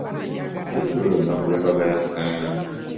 Leero lw'elunaku lw'embaga ya ssenga.